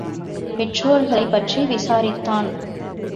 பெற்றோர்களைப் பற்றி விசாரித்தான்.